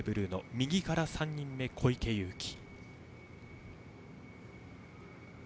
右から３人目が小池祐貴。